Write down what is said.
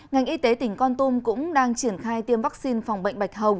ngành y tế tỉnh con tum cũng đang triển khai tiêm vaccine phòng bệnh bạch hầu